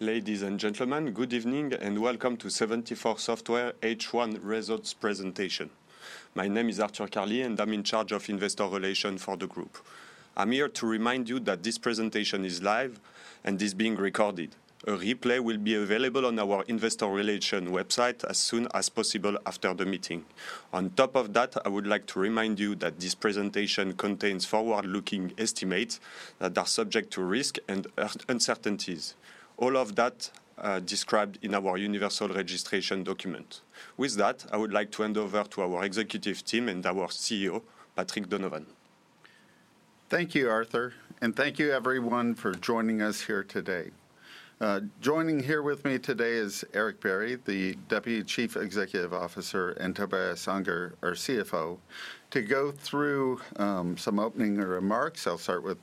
Ladies and gentlemen, good evening and welcome to 74Software H1 results presentation. My name is Arthur Carli and I'm in charge of Investor Relations for the group. I'm here to remind you that this presentation is live and is being recorded. A replay will be available on our Investor Relations website as soon as possible after the meeting. On top of that, I would like to remind you that this presentation contains forward-looking estimates that are subject to risk and uncertainties. All of that is described in our universal registration document. With that, I would like to hand over to our executive team and our CEO, Patrick Donovan. Thank you, Arthur, and thank you, everyone, for joining us here today. Joining here with me today is Eric Bierry, the Deputy Chief Executive Officer, and Tobias Unger, our CFO. To go through some opening remarks, I'll start with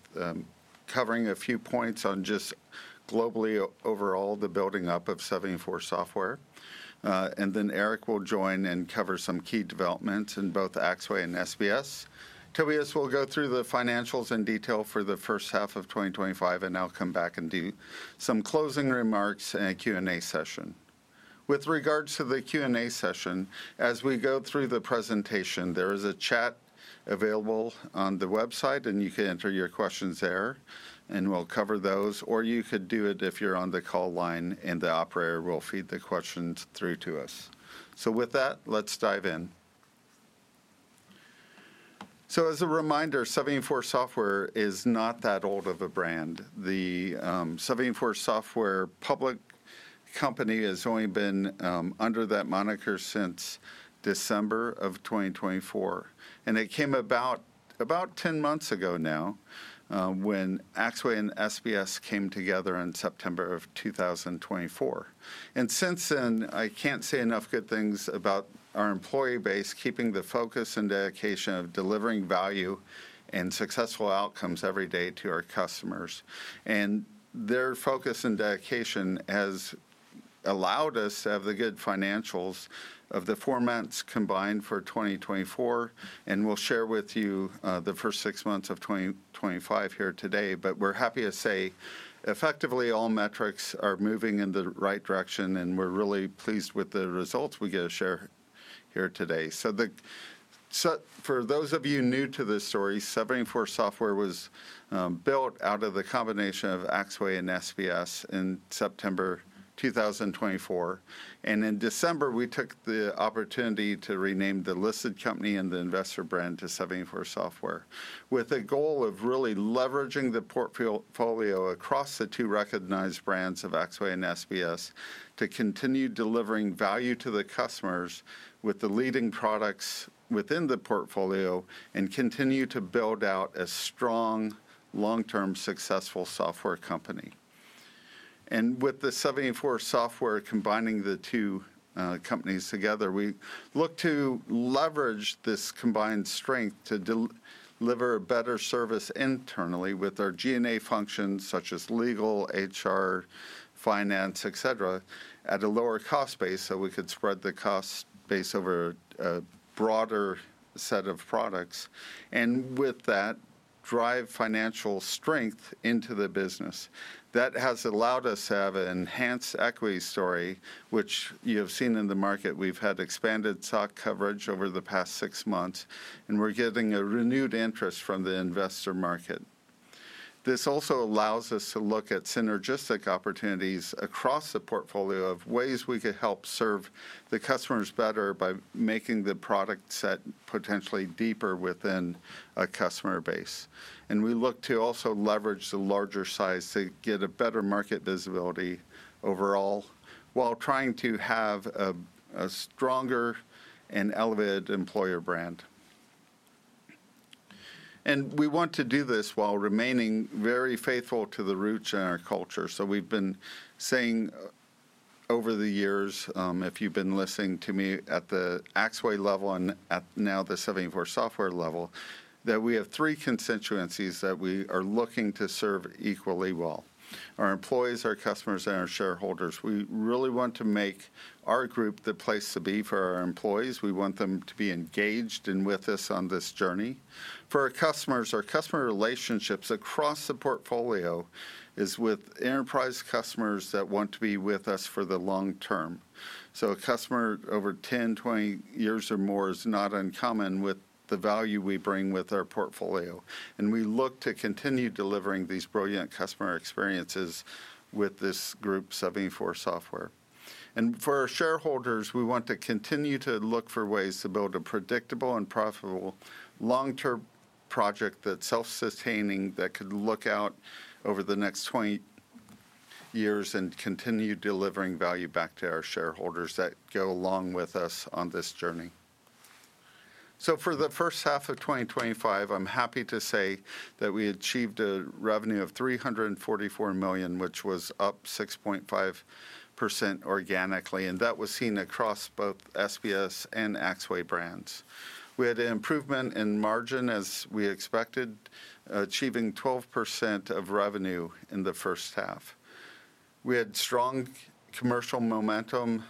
covering a few points on just globally overall the building up of 74Software. Eric will join and cover some key developments in both Axway and SBS. Tobias will go through the financials in detail for the first half of 2025, and I'll come back and do some closing remarks and a Q&A session. With regards to the Q&A session, as we go through the presentation, there is a chat available on the website, and you can enter your questions there, and we'll cover those, or you could do it if you're on the call line, and the operator will feed the questions through to us. With that, let's dive in. As a reminder, 74Software is not that old of a brand. The 74Software public company has only been under that moniker since December of 2024. It came about about 10 months ago now, when Axway and SBS came together in September of 2024. Since then, I can't say enough good things about our employee base, keeping the focus and dedication of delivering value and successful outcomes every day to our customers. Their focus and dedication has allowed us to have the good financials of the four months combined for 2024, and we'll share with you the first six months of 2025 here today. We're happy to say effectively all metrics are moving in the right direction, and we're really pleased with the results we get to share here today. For those of you new to this story, 74Software was built out of the combination of Axway and SBS in September 2024. In December, we took the opportunity to rename the listed company and the investor brand to 74Software, with a goal of really leveraging the portfolio across the two recognized brands of Axway and SBS to continue delivering value to the customers with the leading products within the portfolio and continue to build out a strong, long-term, successful software company. With 74Software combining the two companies together, we look to leverage this combined strength to deliver a better service internally with our G&A functions such as legal, HR, finance, etc., at a lower cost base so we could spread the cost base over a broader set of products. With that, drive financial strength into the business. That has allowed us to have an enhanced equity story, which you have seen in the market. We've had expanded stock coverage over the past six months, and we're getting a renewed interest from the investor market. This also allows us to look at synergistic opportunities across the portfolio of ways we could help serve the customers better by making the product set potentially deeper within a customer base. We look to also leverage the larger size to get a better market visibility overall while trying to have a stronger and elevated employer brand. We want to do this while remaining very faithful to the roots and our culture. We've been saying over the years, if you've been listening to me at the Axway level and now the 74Software level, that we have three constituencies that we are looking to serve equally well: our employees, our customers, and our shareholders. We really want to make our group the place to be for our employees. We want them to be engaged and with us on this journey. For our customers, our customer relationships across the portfolio are with enterprise customers that want to be with us for the long term. A customer over 10, 20 years or more is not uncommon with the value we bring with our portfolio. We look to continue delivering these brilliant customer experiences with this group, 74Software. For our shareholders, we want to continue to look for ways to build a predictable and profitable long-term project that's self-sustaining, that could look out over the next 20 years and continue delivering value back to our shareholders that go along with us on this journey. For the first half of 2025, I'm happy to say that we achieved a revenue of $344 million, which was up 6.5% organically, and that was seen across both SBS and Axway brands. We had an improvement in margin as we expected, achieving 12% of revenue in the first half. We had strong commercial momentum,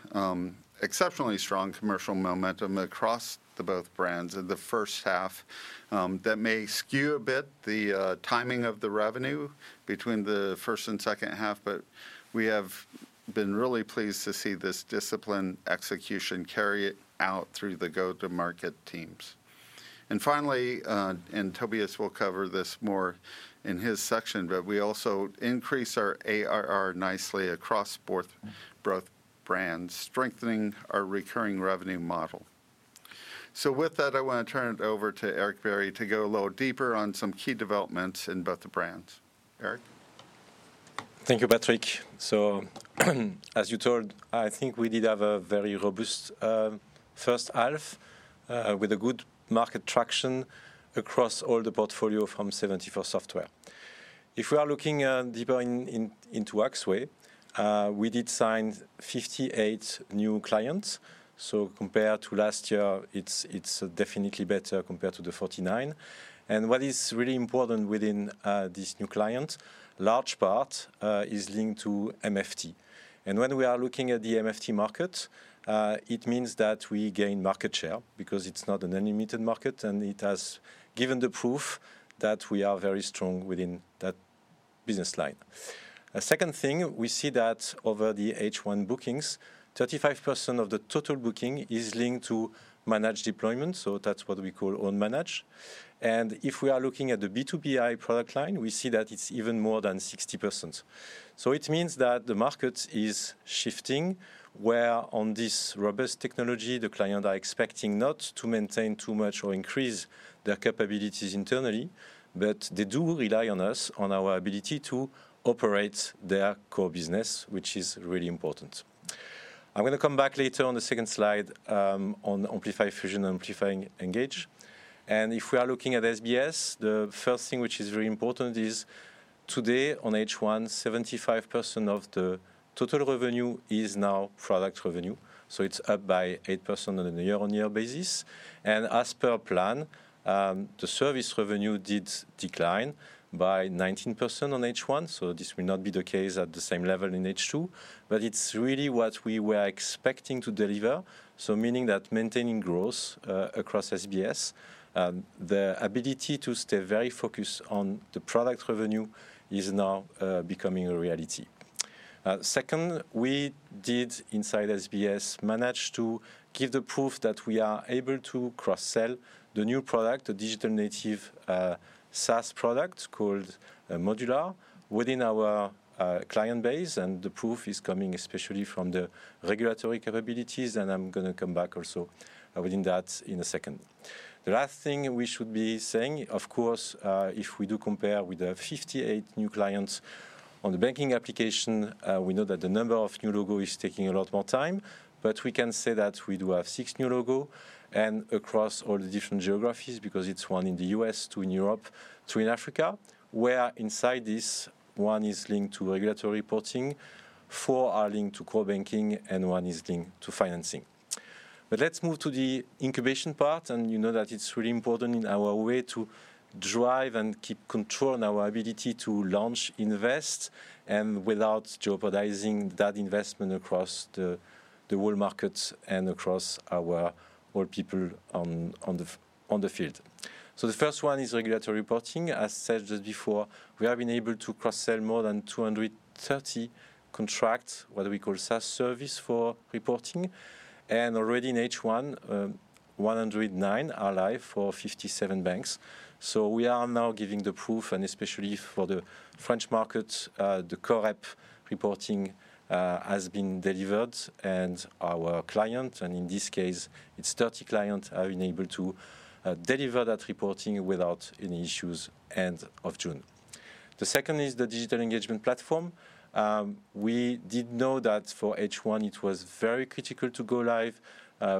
exceptionally strong commercial momentum across both brands in the first half. That may skew a bit the timing of the revenue between the first and second half, but we have been really pleased to see this disciplined execution carried out through the go-to-market teams. Finally, and Tobias will cover this more in his section, we also increased our ARR nicely across both brands, strengthening our recurring revenue model. With that, I want to turn it over to Eric Bierry to go a little deeper on some key developments in both the brands. Eric? Thank you, Patrick. As you told, I think we did have a very robust first half with a good market traction across all the portfolio from 74Software. If we are looking deeper into Axway, we did sign 58 new clients. Compared to last year, it's definitely better compared to the 49. What is really important within these new clients, a large part is linked to MFT. When we are looking at the MFT market, it means that we gain market share because it's not an unlimited market, and it has given the proof that we are very strong within that business line. A second thing, we see that over the H1 bookings, 35% of the total booking is linked to managed deployments. That's what we call own-managed. If we are looking at the B2B integration product line, we see that it's even more than 60%. It means that the market is shifting where on this robust technology, the clients are expecting not to maintain too much or increase their capabilities internally, but they do rely on us, on our ability to operate their core business, which is really important. I'm going to come back later on the second slide on Amplify Fusion and Amplify Engage. If we are looking at SBS, the first thing which is very important is today on H1, 75% of the total revenue is now product revenue. It's up by 8% on a year-on-year basis. As per plan, the service revenue did decline by 19% on H1. This will not be the case at the same level in H2, but it's really what we were expecting to deliver. Meaning that maintaining growth across SBS, the ability to stay very focused on the product revenue is now becoming a reality. Second, we did, inside SBS, manage to give the proof that we are able to cross-sell the new product, the digital native SaaS product called Modular within our client base. The proof is coming especially from the regulatory capabilities. I'm going to come back also within that in a second. The last thing we should be saying, of course, if we do compare with the 58 new clients on the banking application, we know that the number of new logos is taking a lot more time, but we can say that we do have six new logos and across all the different geographies because it's one in the U.S., two in Europe, three in Africa, where inside this, one is linked to regulatory reporting, four are linked to core banking, and one is linked to financing. Let's move to the incubation part. You know that it's really important in our way to drive and keep control on our ability to launch, invest, and without jeopardizing that investment across the world market and across all our people on the field. The first one is regulatory reporting. As said just before, we have been able to cross-sell more than 230 contracts, what we call SaaS service for reporting. Already in H1, 109 are live for 57 banks. We are now giving the proof, and especially for the French market, the COREP reporting has been delivered. Our client, and in this case, it's 30 clients, have been able to deliver that reporting without any issues at the end of June. The second is the digital engagement platform. We did know that for H1, it was very critical to go live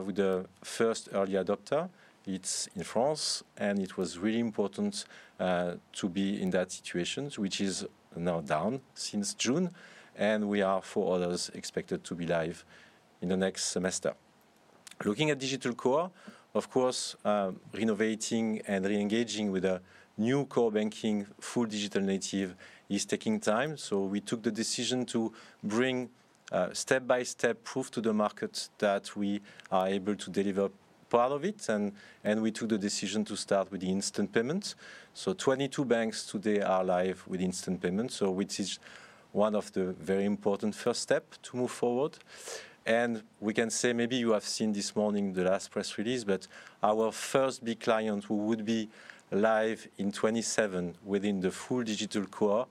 with the first early adopter. It's in France, and it was really important to be in that situation, which is now done since June. We are four others expected to be live in the next semester. Looking at digital core, of course, renovating and re-engaging with a new core banking full digital native is taking time. We took the decision to bring step by step proof to the market that we are able to deliver part of it. We took the decision to start with the instant payments. 22 banks today are live with instant payments, which is one of the very important first steps to move forward. You can say maybe you have seen this morning the last press release, but our first big client who would be live in 2027 within the full digital core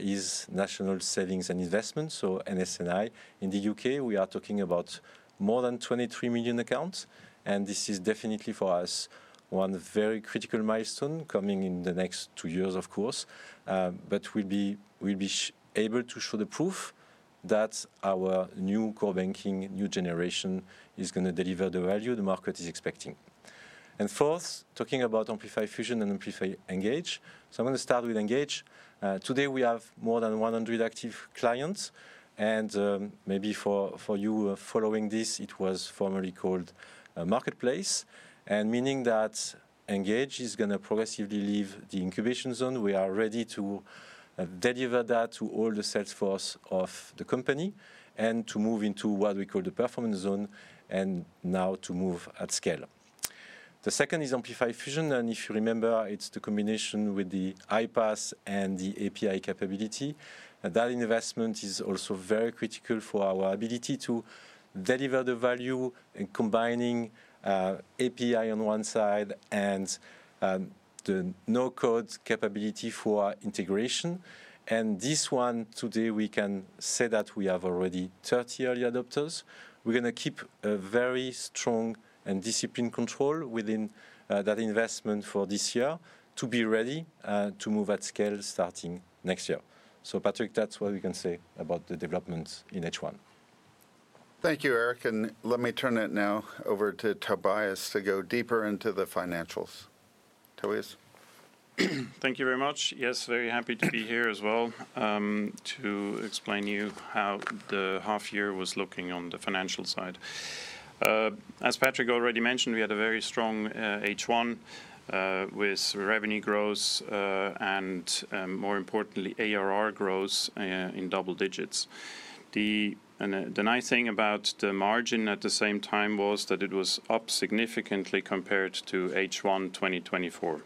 is National Savings and Investments, so NS&I. In the U.K., we are talking about more than 23 million accounts. This is definitely for us one very critical milestone coming in the next two years, of course. We will be able to show the proof that our new core banking new generation is going to deliver the value the market is expecting. Fourth, talking about Amplify Fusion and Amplify Engage. I'm going to start with Engage. Today, we have more than 100 active clients. Maybe for you following this, it was formerly called Marketplace. Meaning that Engage is going to progressively leave the incubation zone. We are ready to deliver that to all the sales force of the company and to move into what we call the performance zone and now to move at scale. The second is Amplify Fusion. If you remember, it's the combination with the iPaaS and the API capability. That investment is also very critical for our ability to deliver the value and combining API on one side and the no code capability for integration. This one, today, we can say that we have already 30 early adopters. We're going to keep a very strong and disciplined control within that investment for this year to be ready to move at scale starting next year. Patrick, that's what we can say about the developments in H1. Thank you, Eric. Let me turn it now over to Tobias to go deeper into the financials. Tobias? Thank you very much. Yes, very happy to be here as well, to explain to you how the half year was looking on the financial side. As Patrick already mentioned, we had a very strong H1, with revenue growth, and, more importantly, ARR growth in double digits. The nice thing about the margin at the same time was that it was up significantly compared to H1 2024.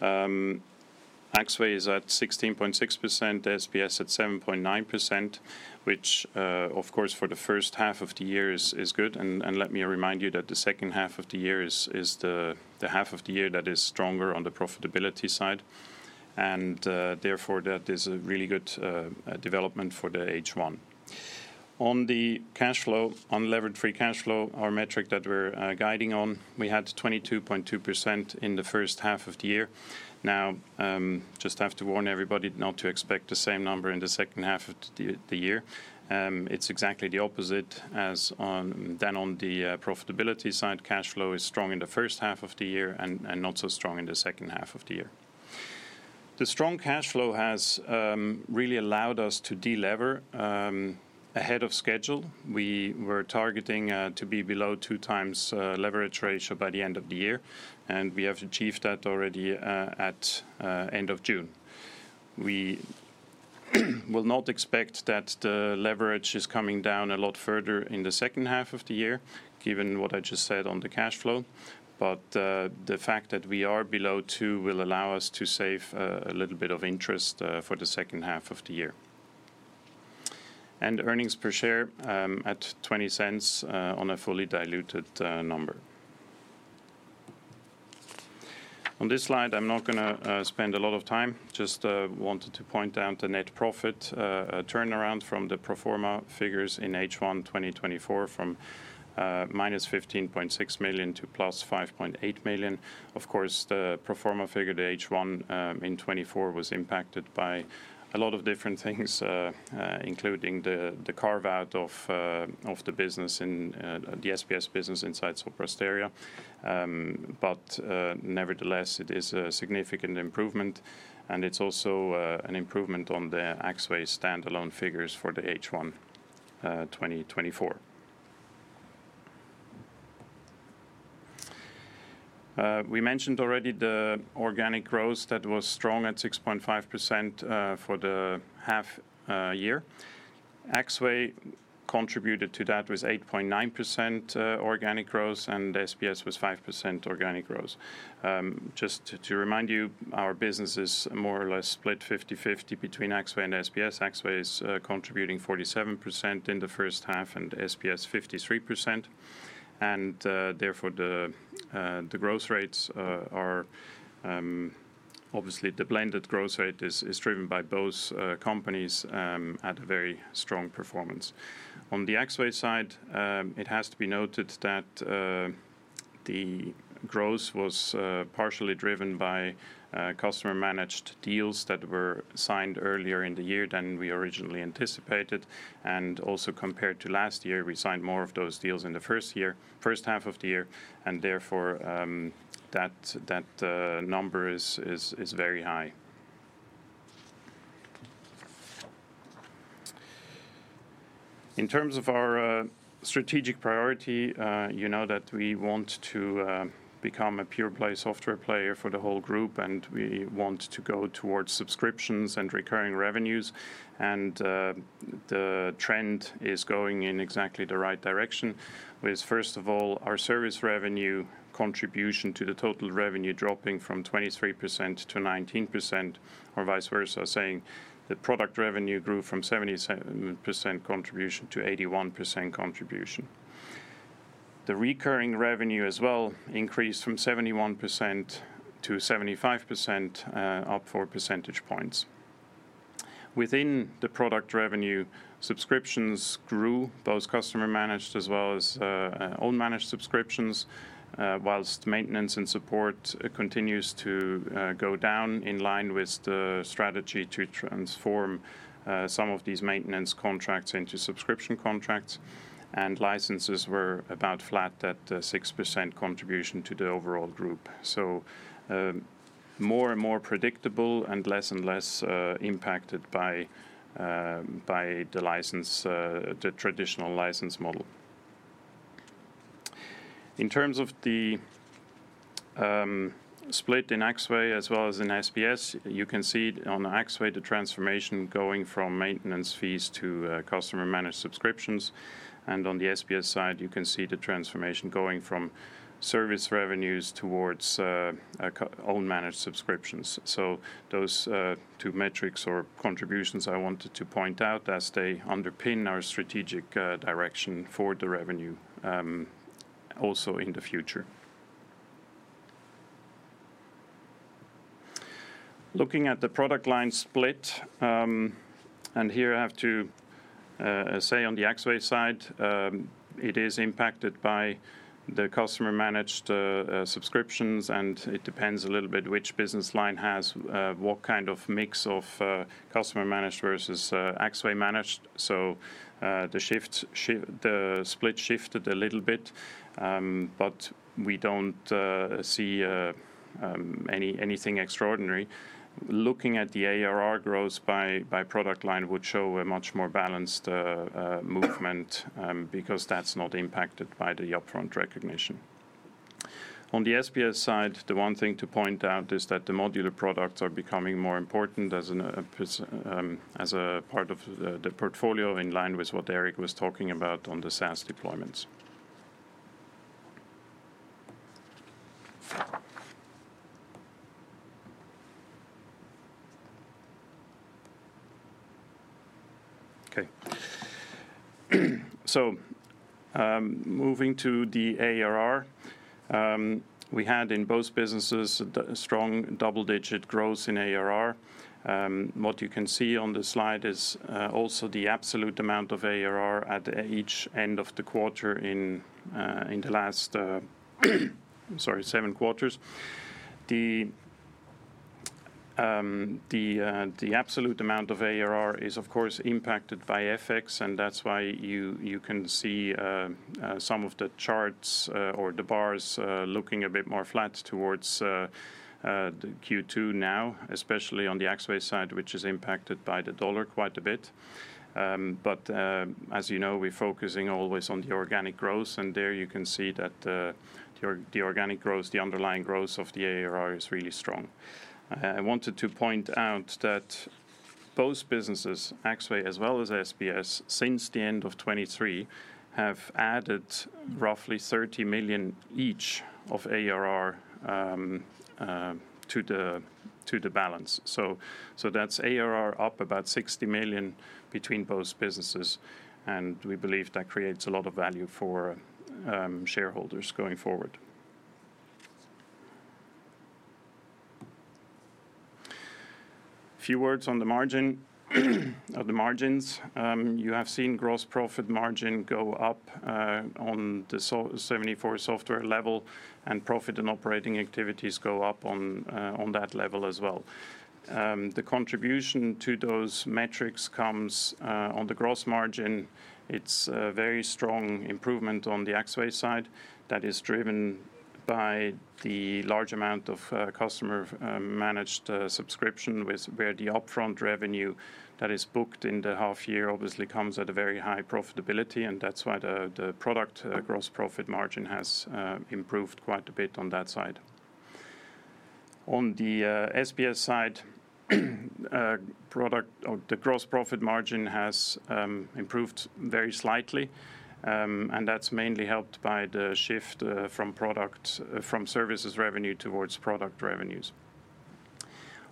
Axway is at 16.6%, SBS at 7.9%, which, of course, for the first half of the year is good. Let me remind you that the second half of the year is the half of the year that is stronger on the profitability side. Therefore, that is a really good development for the H1. On the cash flow, unlevered free cash flow, our metric that we're guiding on, we had 22.2% in the first half of the year. Now, just have to warn everybody not to expect the same number in the second half of the year. It's exactly the opposite as on the profitability side. Cash flow is strong in the first half of the year and not so strong in the second half of the year. The strong cash flow has really allowed us to de-lever ahead of schedule. We were targeting to be below two times leverage ratio by the end of the year. We have achieved that already at the end of June. We will not expect that the leverage is coming down a lot further in the second half of the year, given what I just said on the cash flow. The fact that we are below two will allow us to save a little bit of interest for the second half of the year. Earnings per share at $0.20 on a fully diluted number. On this slide, I'm not going to spend a lot of time. Just wanted to point out the net profit turnaround from the pro forma figures in H1 2024 from -$15.6 million to +$5.8 million. Of course, the pro forma figure, the H1 in 2024, was impacted by a lot of different things, including the carve out of the business in the SBS business insights for first year half. Nevertheless, it is a significant improvement. It's also an improvement on the Axway standalone figures for the H1 2024. We mentioned already the organic growth that was strong at 6.5% for the half year. Axway contributed to that with 8.9% organic growth, and SBS was 5% organic growth. Just to remind you, our business is more or less split 50/50 between Axway and SBS. Axway is contributing 47% in the first half, and SBS 53%. Therefore, the growth rates are obviously the blended growth rate is driven by both companies at a very strong performance. On the Axway side, it has to be noted that the growth was partially driven by customer-managed deals that were signed earlier in the year than we originally anticipated. Also, compared to last year, we signed more of those deals in the first half of the year. Therefore, that number is very high. In terms of our strategic priority, you know that we want to become a pure-play software player for the whole group, and we want to go towards subscriptions and recurring revenues. The trend is going in exactly the right direction, with, first of all, our service revenue contribution to the total revenue dropping from 23% to 19%, or vice versa, saying that product revenue grew from 77% contribution to 81% contribution. The recurring revenue as well increased from 71% to 75%, up four percentage points. Within the product revenue, subscriptions grew, both customer-managed as well as own-managed subscriptions, while maintenance and support continues to go down in line with the strategy to transform some of these maintenance contracts into subscription contracts. Licenses were about flat at the 6% contribution to the overall group. More and more predictable and less and less impacted by the traditional license model. In terms of the split in Axway as well as in SBS, you can see on Axway the transformation going from maintenance fees to customer-managed subscriptions. On the SBS side, you can see the transformation going from service revenues towards own-managed subscriptions. Those two metrics or contributions I wanted to point out as they underpin our strategic direction for the revenue also in the future. Looking at the product line split, and here I have to say on the Axway side, it is impacted by the customer-managed subscriptions, and it depends a little bit which business line has what kind of mix of customer-managed versus Axway-managed. The split shifted a little bit, but we do not see anything extraordinary. Looking at the ARR growth by product line would show a much more balanced movement because that is not impacted by the upfront recognition. On the SBS side, the one thing to point out is that the Modular products are becoming more important as a part of the portfolio in line with what Eric was talking about on the SaaS deployments. Moving to the ARR, we had in both businesses a strong double-digit growth in ARR. What you can see on the slide is also the absolute amount of ARR at each end of the quarter in the last seven quarters. The absolute amount of ARR is, of course, impacted by FX, and that's why you can see some of the charts or the bars looking a bit more flat towards the Q2 now, especially on the Axway side, which is impacted by the dollar quite a bit. As you know, we're focusing always on the organic growth, and there you can see that the organic growth, the underlying growth of the ARR is really strong. I wanted to point out that both businesses, Axway as well as SBS, since the end of 2023, have added roughly $30 million each of ARR to the balance. That's ARR up about $60 million between both businesses, and we believe that creates a lot of value for shareholders going forward. A few words on the margins. You have seen gross profit margin go up on the 74Software level, and profit and operating activities go up on that level as well. The contribution to those metrics comes on the gross margin. It's a very strong improvement on the Axway side that is driven by the large amount of customer-managed subscription, where the upfront revenue that is booked in the half year obviously comes at a very high profitability, and that's why the product gross profit margin has improved quite a bit on that side. On the SBS side, the gross profit margin has improved very slightly, and that's mainly helped by the shift from product from services revenue towards product revenues.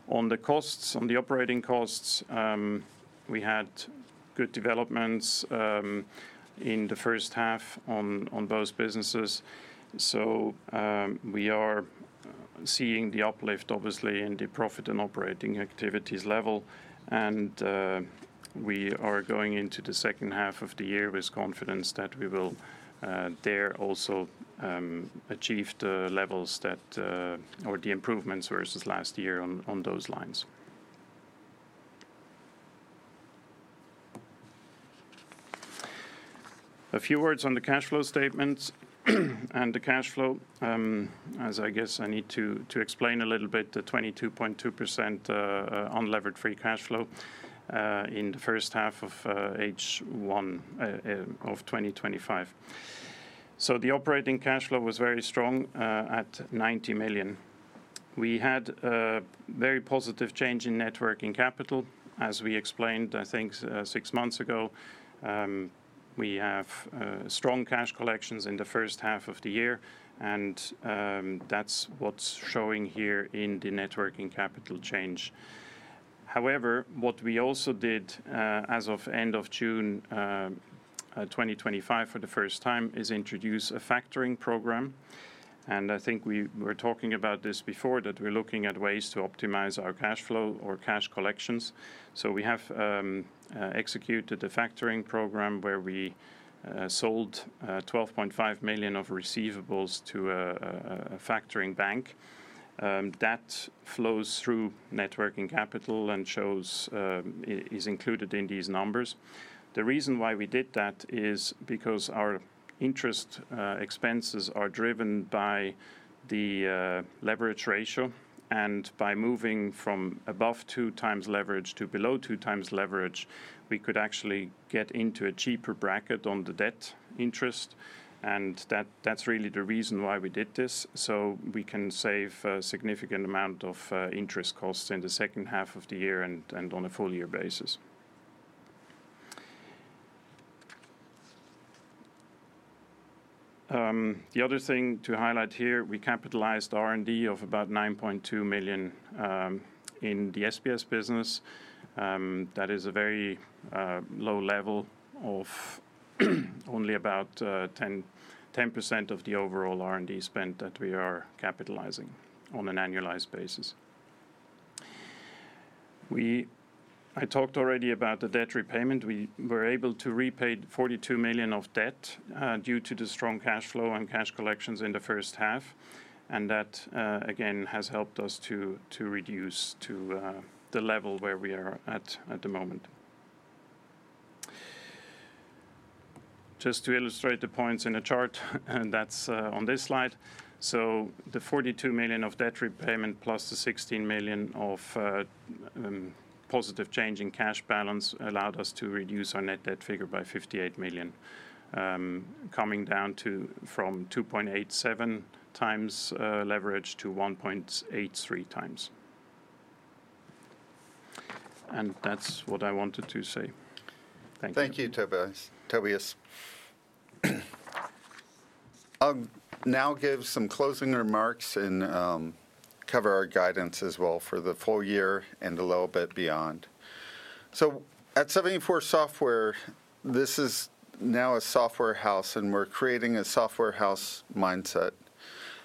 On the costs, on the operating costs, we had good developments in the first half on both businesses. We are seeing the uplift, obviously, in the profit and operating activities level. We are going into the second half of the year with confidence that we will dare also achieve the levels that or the improvements versus last year on those lines. A few words on the cash flow statement and the cash flow, as I guess I need to explain a little bit, the 22.2% unlevered free cash flow in the first half of H1 of 2025. The operating cash flow was very strong at $90 million. We had a very positive change in net working capital. As we explained, I think six months ago, we have strong cash collections in the first half of the year, and that's what's showing here in the net working capital change. However, what we also did as of end of June 2025 for the first time is introduce a factoring program. I think we were talking about this before that we're looking at ways to optimize our cash flow or cash collections. We have executed a factoring program where we sold $12.5 million of receivables to a factoring bank. That flows through net working capital and is included in these numbers. The reason why we did that is because our interest expenses are driven by the leverage ratio. By moving from above two times leverage to below two times leverage, we could actually get into a cheaper bracket on the debt interest. That's really the reason why we did this. We can save a significant amount of interest costs in the second half of the year and on a full-year basis. The other thing to highlight here, we capitalized R&D of about $9.2 million in the SBS business. That is a very low level of only about 10% of the overall R&D spend that we are capitalizing on an annualized basis. I talked already about the debt repayment. We were able to repay $42 million of debt due to the strong cash flow and cash collections in the first half. That, again, has helped us to reduce to the level where we are at at the moment. Just to illustrate the points in a chart, and that's on this slide. The $42 million of debt repayment plus the $16 million of positive change in cash balance allowed us to reduce our net debt figure by $58 million, coming down from 2.87x leverage to 1.83x. That's what I wanted to say. Thank you. Thank you, Tobias. I'll now give some closing remarks and cover our guidance as well for the full year and a little bit beyond. At 74Software, this is now a software house, and we're creating a software house mindset.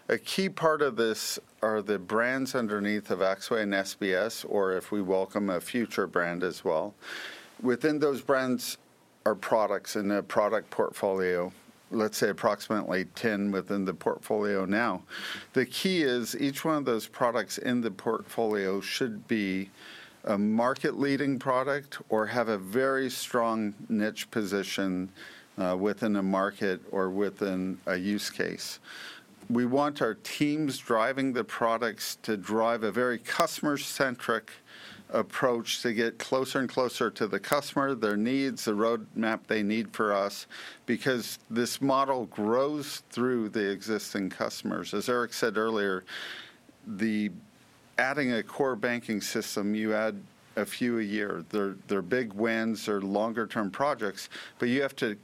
A key part of this are the brands underneath of Axway and SBS, or if we welcome a future brand as well. Within those brands are products in a product portfolio, let's say approximately 10 within the portfolio now. The key is each one of those products in the portfolio should be a market-leading product or have a very strong niche position within a market or within a use case. We want our teams driving the products to drive a very customer-centric approach to get closer and closer to the customer, their needs, the roadmap they need for us, because this model grows through the existing customers. As Eric said earlier, adding a core banking system, you add a few a year. Their big wins are longer-term projects, but you have to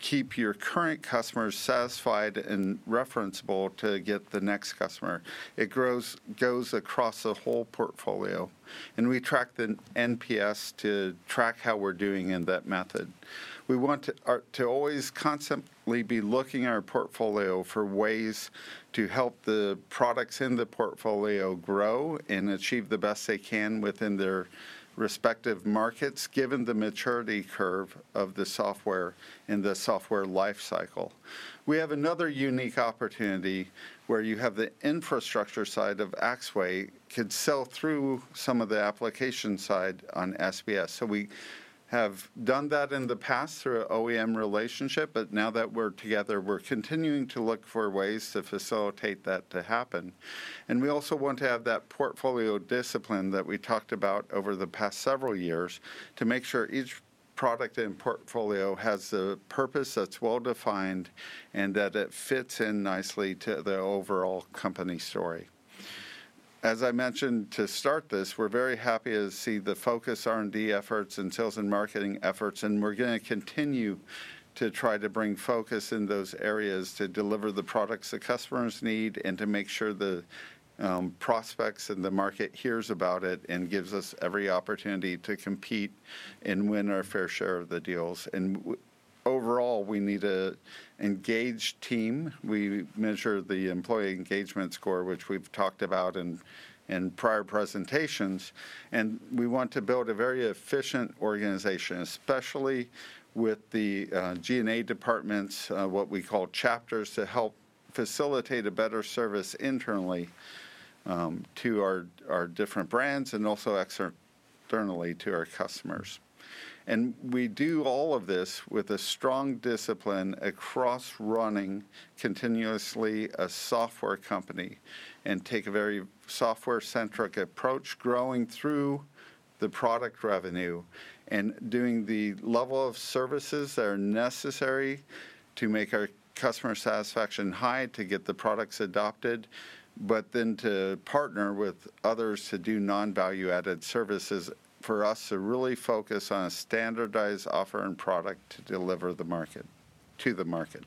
keep your current customers satisfied and referenceable to get the next customer. It goes across the whole portfolio. We track the NPS to track how we're doing in that method. We want to always constantly be looking at our portfolio for ways to help the products in the portfolio grow and achieve the best they can within their respective markets, given the maturity curve of the software in the software lifecycle. We have another unique opportunity where you have the infrastructure side of Axway could sell through some of the application side on SBS. We have done that in the past through an OEM relationship, but now that we're together, we're continuing to look for ways to facilitate that to happen. We also want to have that portfolio discipline that we talked about over the past several years to make sure each product and portfolio has a purpose that's well-defined and that it fits in nicely to the overall company story. As I mentioned, to start this, we're very happy to see the focus R&D efforts and sales and marketing efforts, and we're going to continue to try to bring focus in those areas to deliver the products the customers need and to make sure the prospects and the market hears about it and gives us every opportunity to compete and win our fair share of the deals. Overall, we need an engaged team. We measure the employee engagement score, which we've talked about in prior presentations. We want to build a very efficient organization, especially with the G&A departments, what we call chapters, to help facilitate a better service internally to our different brands and also externally to our customers. We do all of this with a strong discipline across running continuously a software company and take a very software-centric approach growing through the product revenue and doing the level of services that are necessary to make our customer satisfaction high to get the products adopted, but then to partner with others to do non-value-added services for us to really focus on a standardized offer and product to deliver to the market.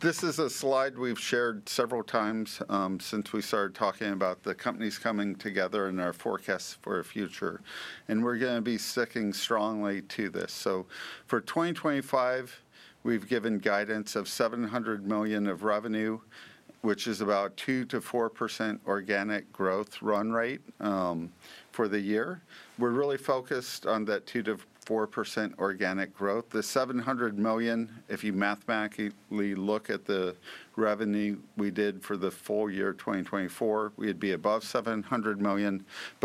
This is a slide we've shared several times since we started talking about the companies coming together and our forecasts for our future. We are going to be sticking strongly to this. For 2025, we've given guidance of $700 million of revenue, which is about 2% to 4% organic growth run rate for the year. We are really focused on that 2% to 4% organic growth. The $700 million, if you mathematically look at the revenue we did for the full year 2024, we'd be above $700 million.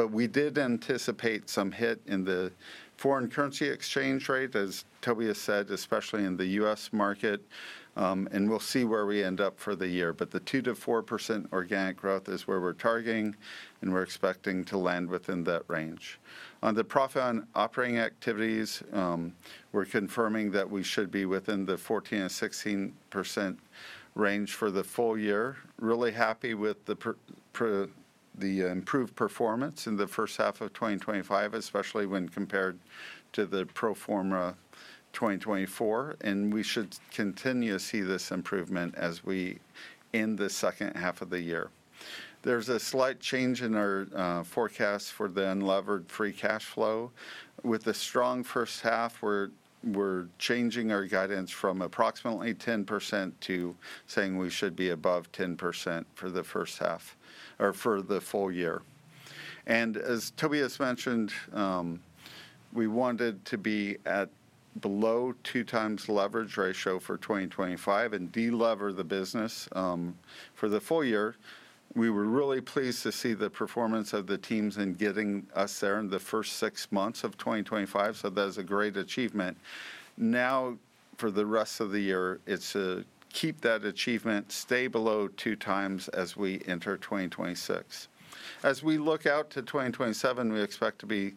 We did anticipate some hit in the foreign currency exchange rate, as Tobias said, especially in the U.S. market. We will see where we end up for the year. The 2% to 4% organic growth is where we're targeting, and we're expecting to land within that range. On the profit on operating activities, we're confirming that we should be within the 14% to 16% range for the full year. We are really happy with the improved performance in the first half of 2025, especially when compared to the pro forma 2024. We should continue to see this improvement as we end the second half of the year. There is a slight change in our forecast for the unlevered free cash flow. With the strong first half, we're changing our guidance from approximately 10% to saying we should be above 10% for the first half or for the full year. As Tobias mentioned, we wanted to be at below two times leverage ratio for 2025 and de-lever the business for the full year. We were really pleased to see the performance of the teams in getting us there in the first six months of 2025. That is a great achievement. For the rest of the year, it's to keep that achievement, stay below two times as we enter 2026. As we look out to 2027, we expect to be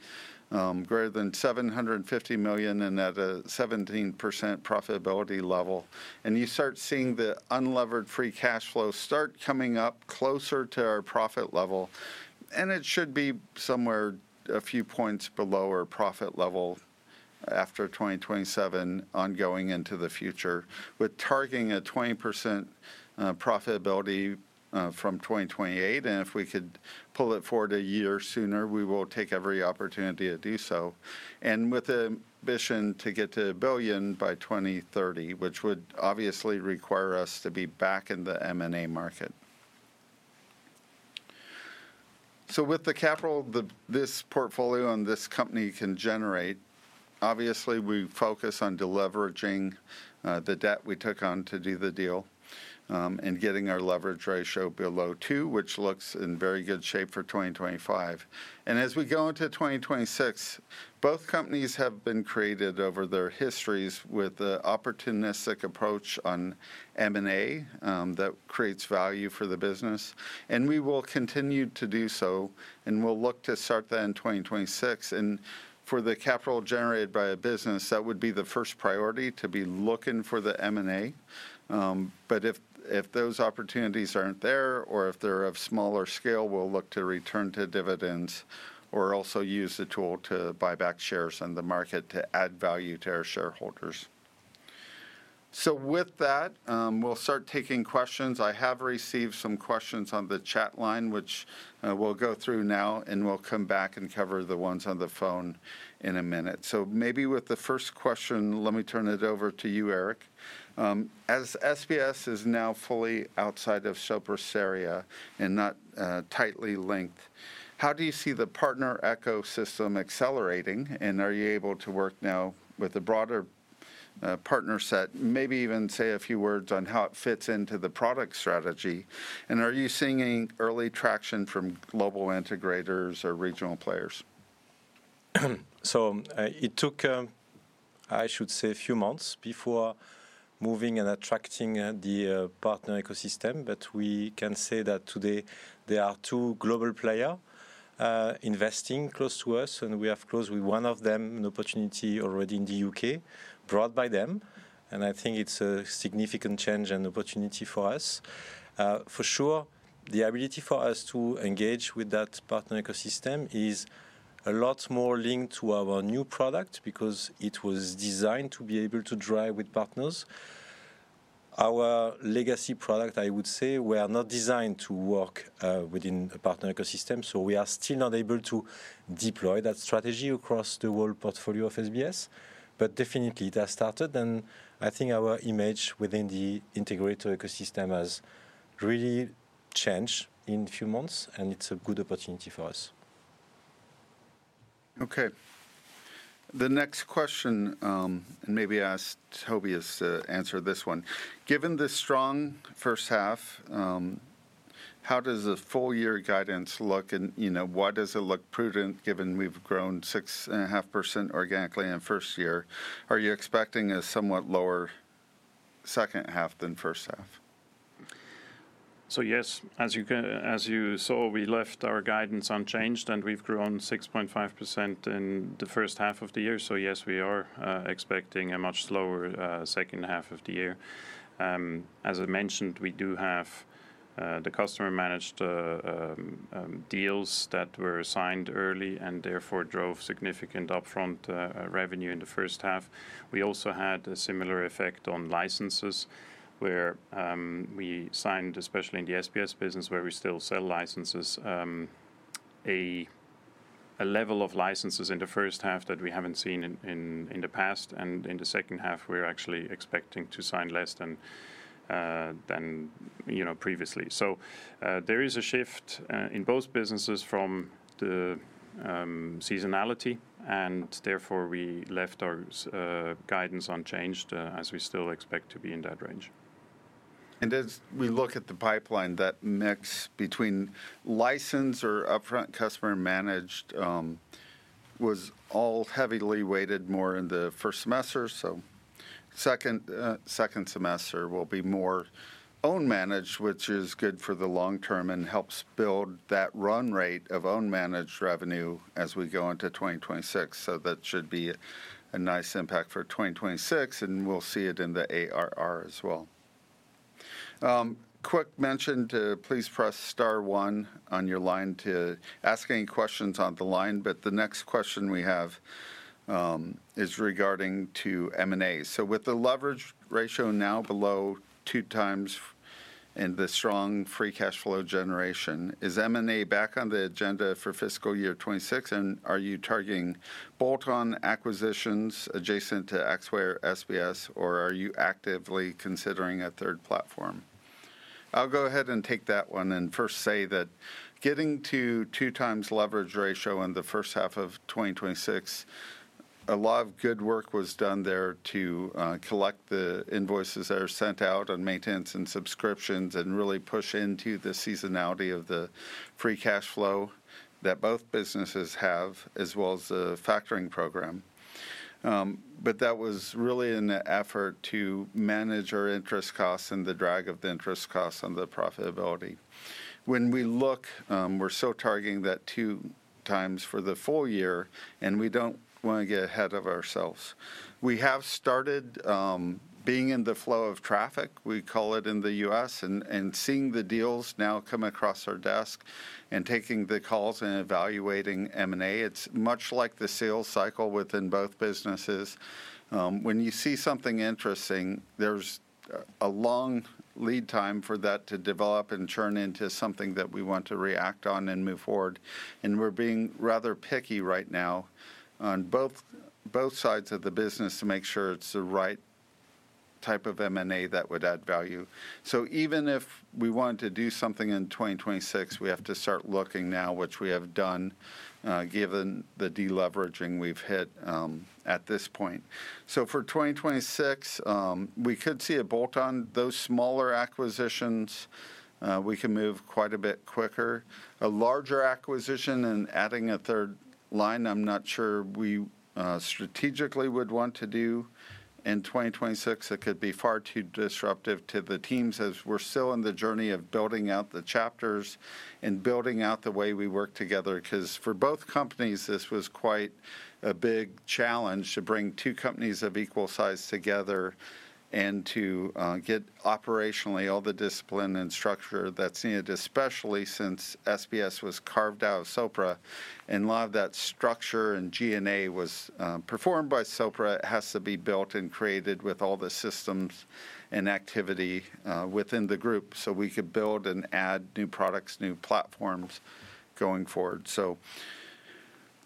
greater than $750 million and at a 17% profitability level. You start seeing the unlevered free cash flow start coming up closer to our profit level. It should be somewhere a few points below our profit level after 2027 ongoing into the future, with targeting a 20% profitability from 2028. If we could pull it forward a year sooner, we will take every opportunity to do so. With the ambition to get to a billion by 2030, which would obviously require us to be back in the M&A market. With the capital this portfolio and this company can generate, we focus on deleveraging the debt we took on to do the deal and getting our leverage ratio below two, which looks in very good shape for 2025. As we go into 2026, both companies have been created over their histories with an opportunistic approach on M&A that creates value for the business. We will continue to do so and we'll look to start that in 2026. For the capital generated by a business, that would be the first priority to be looking for the M&A. If those opportunities aren't there or if they're of smaller scale, we'll look to return to dividends or also use a tool to buy back shares in the market to add value to our shareholders. With that, we'll start taking questions. I have received some questions on the chat line, which we'll go through now, and we'll come back and cover the ones on the phone in a minute. With the first question, let me turn it over to you, Eric. As SBS is now fully outside of Sopra Steria and not tightly linked, how do you see the partner ecosystem accelerating? Are you able to work now with a broader partner set, maybe even say a few words on how it fits into the product strategy? Are you seeing early traction from global integrators or regional players? It took a few months before moving and attracting the partner ecosystem. We can say that today there are two global players investing close to us, and we have closed with one of them an opportunity already in the U.K. brought by them. I think it's a significant change and opportunity for us. For sure, the ability for us to engage with that partner ecosystem is a lot more linked to our new product because it was designed to be able to drive with partners. Our legacy product, I would say, was not designed to work within a partner ecosystem. We are still not able to deploy that strategy across the whole portfolio of SBS, but definitely, it has started. I think our image within the integrator ecosystem has really changed in a few months, and it's a good opportunity for us. Okay. The next question, and maybe ask Tobias to answer this one. Given the strong first half, how does the full-year guidance look? Why does it look prudent given we've grown 6.5% organically in the first year? Are you expecting a somewhat lower second half than the first half? Yes, as you saw, we left our guidance unchanged, and we've grown 6.5% in the first half of the year. We are expecting a much lower second half of the year. As I mentioned, we do have the customer-managed deals that were assigned early and therefore drove significant upfront revenue in the first half. We also had a similar effect on licenses where we signed, especially in the SBS business where we still sell licenses, a level of licenses in the first half that we haven't seen in the past. In the second half, we're actually expecting to sign less than previously. There is a shift in both businesses from the seasonality, and therefore we left our guidance unchanged as we still expect to be in that range. As we look at the pipeline, that mix between license or upfront customer-managed was all heavily weighted more in the first semester. The second semester will be more own-managed, which is good for the long term and helps build that run rate of own-managed revenue as we go into 2026. That should be a nice impact for 2026, and we'll see it in the ARR as well. Quick mention to please press star one on your line to ask any questions on the line. The next question we have is regarding M&A. With the leverage ratio now below two times and the strong free cash flow generation, is M&A back on the agenda for fiscal year 2026? Are you targeting bolt-on acquisitions adjacent to Axway or SBS, or are you actively considering a third platform? I'll go ahead and take that one and first say that getting to two times leverage ratio in the first half of 2026, a lot of good work was done there to collect the invoices that are sent out on maintenance and subscriptions and really push into the seasonality of the free cash flow that both businesses have, as well as the factoring program. That was really in an effort to manage our interest costs and the drag of the interest costs on the profitability. When we look, we're still targeting that two times for the full year, and we don't want to get ahead of ourselves. We have started being in the flow of traffic, we call it in the U.S., and seeing the deals now come across our desk and taking the calls and evaluating M&A. It's much like the sales cycle within both businesses. When you see something interesting, there's a long lead time for that to develop and churn into something that we want to react on and move forward. We're being rather picky right now on both sides of the business to make sure it's the right type of M&A that would add value. Even if we want to do something in 2026, we have to start looking now, which we have done, given the de-leveraging we've hit at this point. For 2026, we could see a bolt-on. Those smaller acquisitions, we can move quite a bit quicker. A larger acquisition and adding a third line, I'm not sure we strategically would want to do in 2026. It could be far too disruptive to the teams as we're still in the journey of building out the chapters and building out the way we work together. Because for both companies, this was quite a big challenge to bring two companies of equal size together and to get operationally all the discipline and structure that's needed, especially since SBS was carved out of Sopra. A lot of that structure and G&A was performed by Sopra. It has to be built and created with all the systems and activity within the group so we could build and add new products, new platforms going forward.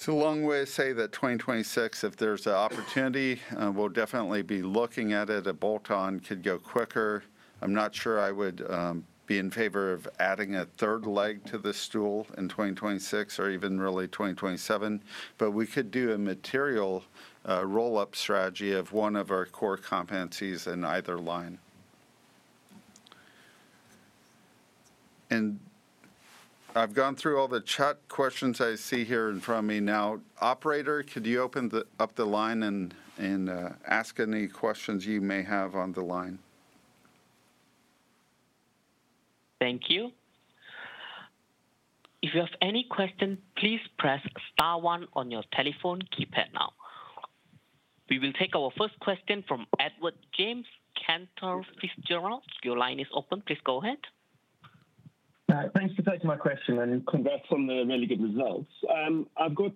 It's a long way to say that 2026, if there's an opportunity, we'll definitely be looking at it. A bolt-on could go quicker. I'm not sure I would be in favor of adding a third leg to the stool in 2026 or even really 2027. We could do a material roll-up strategy of one of our core competencies in either line. I've gone through all the chat questions I see here in front of me now. Operator, could you open up the line and ask any questions you may have on the line? Thank you. If you have any questions, please press star one on your telephone keypad now. We will take our first question from Edward James, Cantor Fitzgerald. Your line is open. Please go ahead. Thanks for taking my question and congrats on the really good results. I've got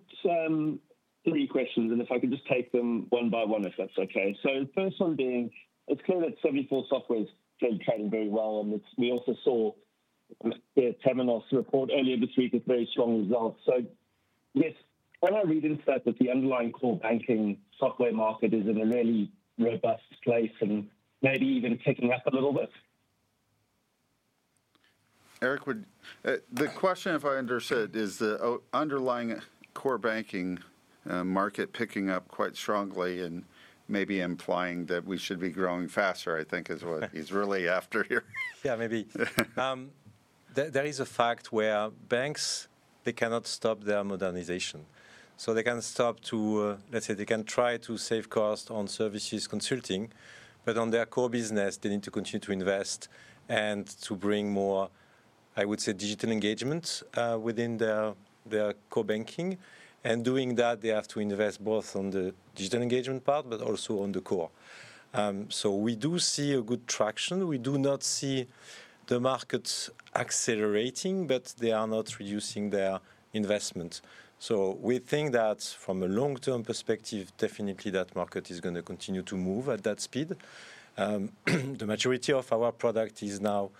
three questions, and if I could just take them one by one, if that's okay. The first one being, it's clear that 74Software is getting very well on this. We also saw the Temenos report earlier this week with very strong results. When I read insight that the underlying core banking software market is in an early robust place and maybe even picking up a little bit. Eric, the question, if I understood, is the underlying core banking market picking up quite strongly and maybe implying that we should be growing faster. I think is what he's really after here. Yeah, maybe. There is a fact where banks, they cannot stop their modernization. They can try to save costs on services consulting, but on their core business, they need to continue to invest and to bring more, I would say, digital engagement within their core banking. Doing that, they have to invest both on the digital engagement part, but also on the core. We do see a good traction. We do not see the markets accelerating, but they are not reducing their investment. We think that from a long-term perspective, definitely that market is going to continue to move at that speed. The maturity of our product is now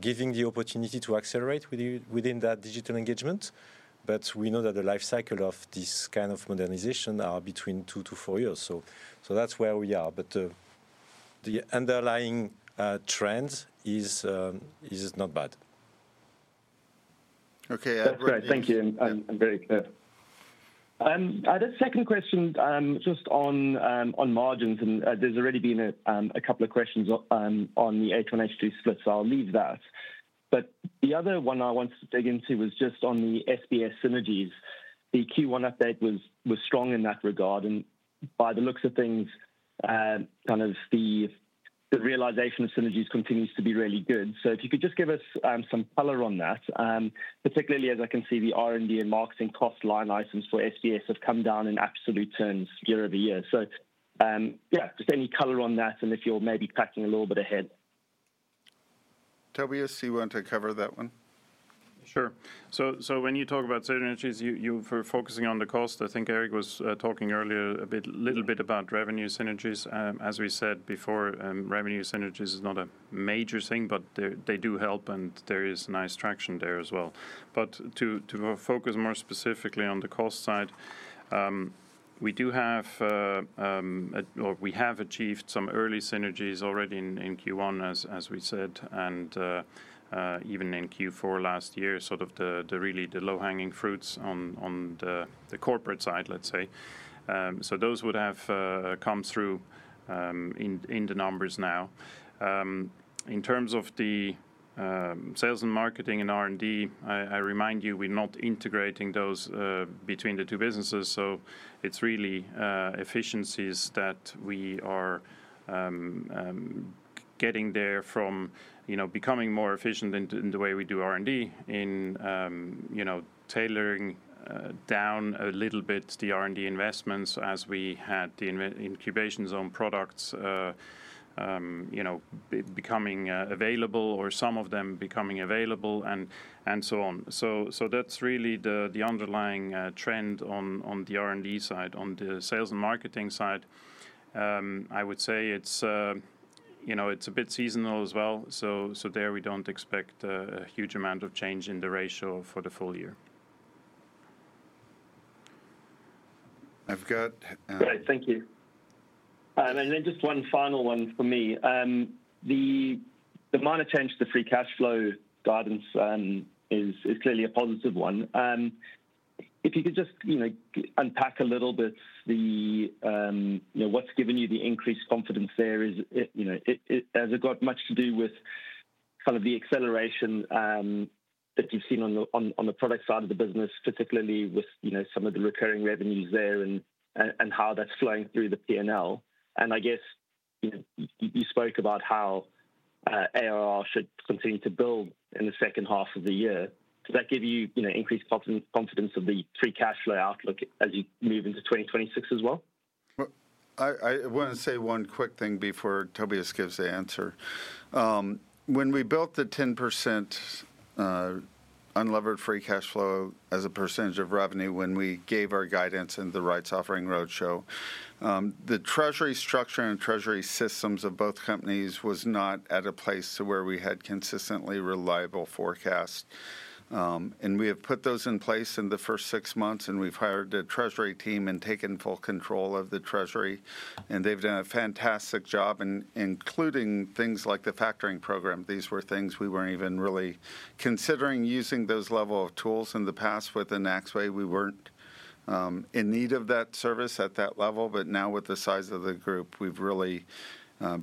giving the opportunity to accelerate within that digital engagement. We know that the lifecycle of this kind of modernization is between two to four years. That's where we are. The underlying trend is not bad. Okay. That's great. Thank you. I'm very clear. I had a second question just on margins, and there's already been a couple of questions on the H1/H2 split, so I'll leave that. The other one I wanted to dig into was just on the SBS synergies. The Q1 update was strong in that regard. By the looks of things, the realization of synergies continues to be really good. If you could just give us some color on that, particularly as I can see the R&D and marketing cost line items for SBS have come down in absolute terms year over year. Just any color on that, and if you're maybe tracking a little bit ahead. Tobias, do you want to cover that one? Sure. When you talk about synergies, you're focusing on the cost. I think Eric was talking earlier a little bit about revenue synergies. As we said before, revenue synergies are not a major thing, but they do help, and there is nice traction there as well. To focus more specifically on the cost side, we do have, or we have achieved some early synergies already in Q1, as we said, and even in Q4 last year, sort of the really low-hanging fruits on the corporate side, let's say. Those would have come through in the numbers now. In terms of the sales and marketing and R&D, I remind you we're not integrating those between the two businesses. It's really efficiencies that we are getting there from becoming more efficient in the way we do R&D, in tailoring down a little bit the R&D investments as we had the incubation zone products becoming available, or some of them becoming available, and so on. That's really the underlying trend on the R&D side. On the sales and marketing side, I would say it's a bit seasonal as well. We don't expect a huge amount of change in the ratio for the full year. I've got. Great. Thank you. Just one final one for me. The minor change to the free cash flow guidance is clearly a positive one. If you could just unpack a little bit what's given you the increased confidence there, has it got much to do with kind of the acceleration that you've seen on the product side of the business, particularly with some of the recurring revenues there and how that's flowing through the P&L I guess you spoke about how ARR should continue to build in the second half of the year. Does that give you increased confidence of the free cash flow outlook as you move into 2026 as well? I want to say one quick thing before Tobias gives the answer. When we built the 10% unlevered free cash flow as a percentage of revenue when we gave our guidance in the rights offering roadshow, the treasury structure and treasury systems of both companies were not at a place where we had consistently reliable forecasts. We have put those in place in the first six months, and we've hired a treasury team and taken full control of the treasury. They've done a fantastic job in including things like the factoring program. These were things we weren't even really considering using, those level of tools in the past. Within Axway, we weren't in need of that service at that level. Now with the size of the group, we've really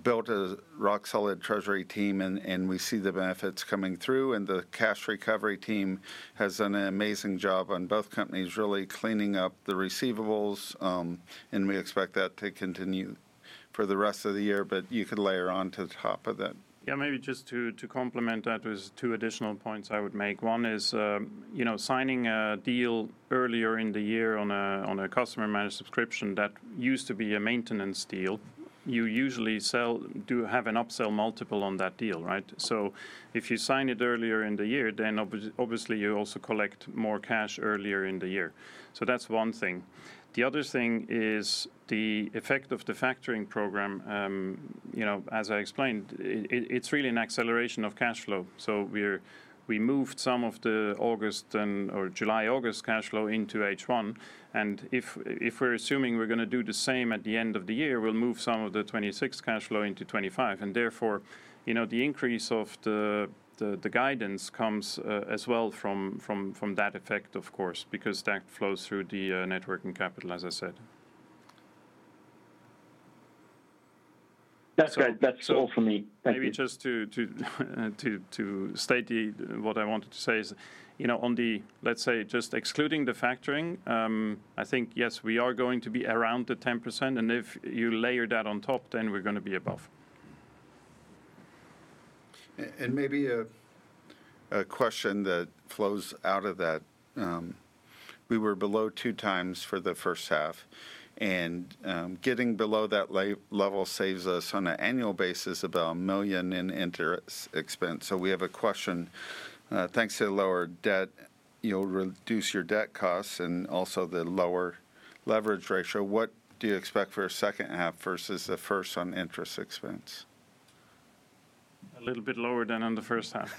built a rock-solid treasury team, and we see the benefits coming through. The cash recovery team has done an amazing job on both companies, really cleaning up the receivables. We expect that to continue for the rest of the year. You could layer on to the top of that. Yeah, maybe just to complement that with two additional points I would make. One is signing a deal earlier in the year on a customer-managed subscription that used to be a maintenance deal. You usually do have an upsell multiple on that deal, right? If you sign it earlier in the year, then obviously you also collect more cash earlier in the year. That's one thing. The other thing is the effect of the factoring program. As I explained, it's really an acceleration of cash flow. We moved some of the July-August cash flow into H1. If we're assuming we're going to do the same at the end of the year, we'll move some of the 2026 cash flow into 2025. Therefore, the increase of the guidance comes as well from that effect, of course, because that flows through the net working capital, as I said. That's great. That's all for me. Maybe just to state what I wanted to say is, you know, on the, let's say, just excluding the factoring, I think, yes, we are going to be around the 10%. If you layer that on top, then we're going to be above. Maybe a question that flows out of that. We were below two times for the first half, and getting below that level saves us on an annual basis about $1 million in interest expense. We have a question. Thanks to lower debt, you'll reduce your debt costs and also the lower leverage ratio. What do you expect for the second half versus the first on interest expense? A little bit lower than on the first half,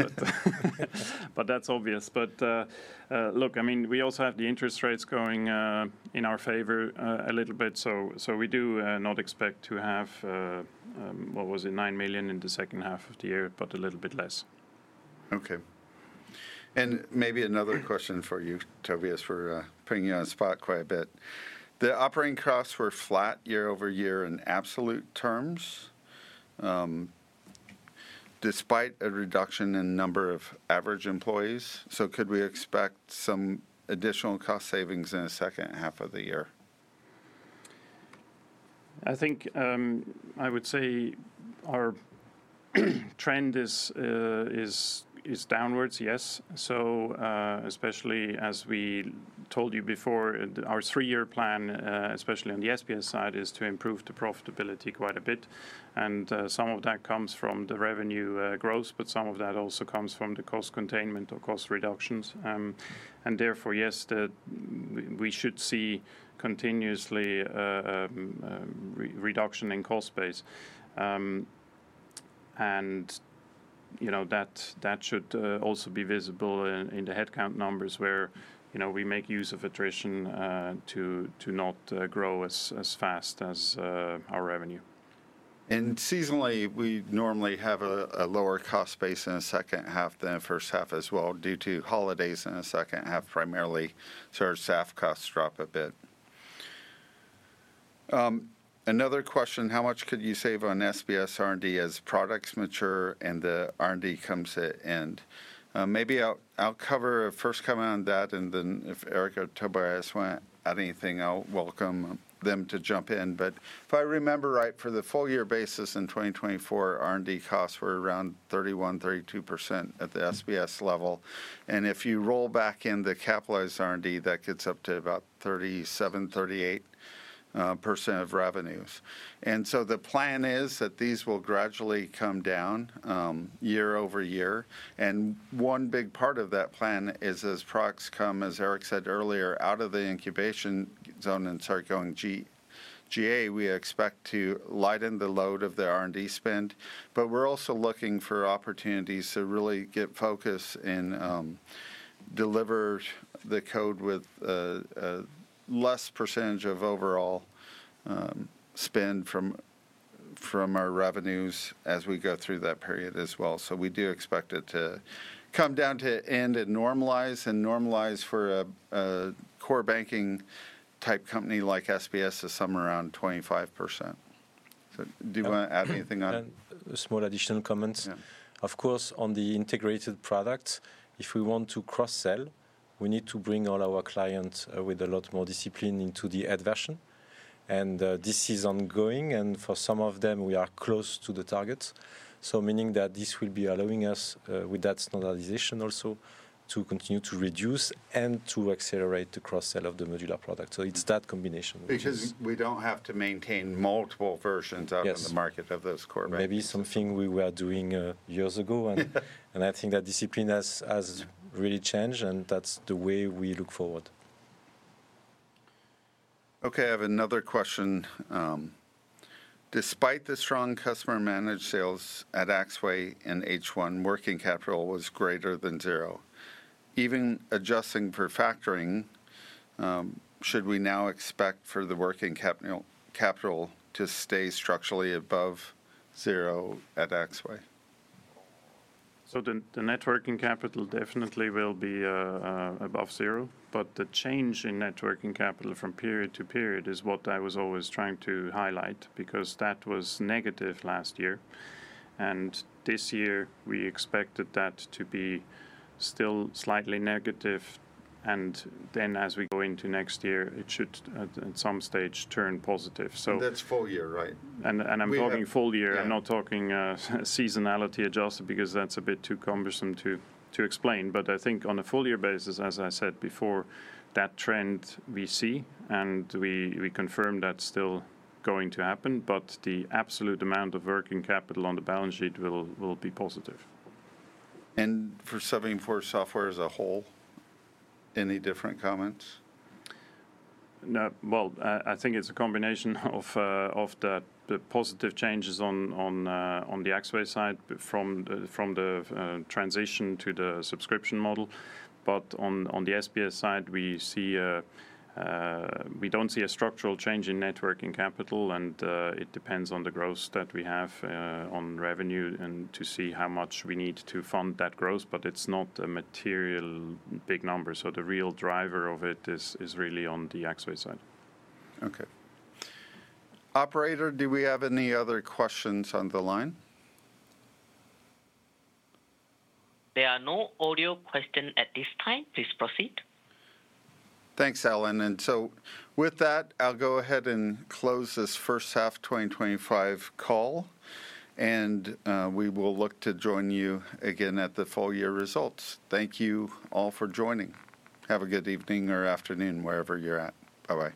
but that's obvious. Look, I mean, we also have the interest rates going in our favor a little bit. We do not expect to have, what was it, $9 million in the second half of the year, but a little bit less. Okay. Maybe another question for you, Tobias, for putting you on the spot quite a bit. The operating costs were flat year over year in absolute terms, despite a reduction in the number of average employees. Could we expect some additional cost savings in the second half of the year? I think I would say our trend is downwards, yes. Especially as we told you before, our three-year plan, especially on the SBS side, is to improve the profitability quite a bit. Some of that comes from the revenue growth, but some of that also comes from the cost containment or cost reductions. Therefore, yes, we should see continuously reduction in cost base. That should also be visible in the headcount numbers where we make use of attrition to not grow as fast as our revenue. Seasonally, we normally have a lower cost base in the second half than the first half as well, due to holidays in the second half primarily. Our staff costs drop a bit. Another question, how much could you save on SBS R&D as products mature and the R&D comes to an end? Maybe I'll cover a first comment on that, and then if Eric or Tobias want to add anything, I'll welcome them to jump in. If I remember right, for the full-year basis in 2024, R&D costs were around 31%, 32% at the SBS level. If you roll back in the capitalized R&D, that gets up to about 37%, 38% of revenues. The plan is that these will gradually come down year over year. One big part of that plan is as products come, as Eric said earlier, out of the incubation zone and start going G&A, we expect to lighten the load of the R&D spend. We're also looking for opportunities to really get focused and deliver the code with a less percentage of overall spend from our revenues as we go through that period as well. We do expect it to come down to end and normalize, and normalize for a core banking type company like SBS is somewhere around 25%. Do you want to add anything on? A small additional comment. Of course, on the integrated product, if we want to cross-sell, we need to bring all our clients with a lot more discipline into the ad version. This is ongoing. For some of them, we are close to the targets, meaning that this will be allowing us with that standardization also to continue to reduce and to accelerate the cross-sell of the Modular product. It is that combination. Because we don't have to maintain multiple versions out in the market of those core vendors. Maybe something we were doing years ago. I think that discipline has really changed, and that's the way we look forward. Okay, I have another question. Despite the strong customer-managed subscription models sales at Axway in H1, working capital was greater than zero. Even adjusting for factoring, should we now expect for the working capital to stay structurally above zero at Axway? The net working capital definitely will be above zero. The change in net working capital from period to period is what I was always trying to highlight because that was negative last year. This year, we expected that to be still slightly negative. As we go into next year, it should at some stage turn positive. That's full year, right? I'm talking full year. I'm not talking seasonality adjusted because that's a bit too cumbersome to explain. I think on a full-year basis, as I said before, that trend we see, and we confirm that's still going to happen. The absolute amount of working capital on the balance sheet will be positive. For 74Software as a whole, any different comments? I think it's a combination of the positive changes on the Axway side from the transition to the subscription model. On the SBS side, we don't see a structural change in net working capital, and it depends on the growth that we have on revenue to see how much we need to fund that growth. It's not a material big number. The real driver of it is really on the Axway side. Okay. Operator, do we have any other questions on the line? There are no audio questions at this time. Please proceed. Thanks, Alan. With that, I'll go ahead and close this first half 2025 call. We will look to join you again at the full-year results. Thank you all for joining. Have a good evening or afternoon wherever you're at. Bye-bye.